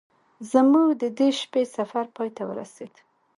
زموږ د دې شپې سفر پای ته ورسید.